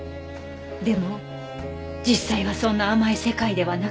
でも実際はそんな甘い世界ではなかった。